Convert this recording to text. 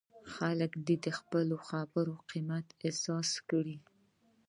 خلک دې د خپلو خبرو قیمت احساس کړي.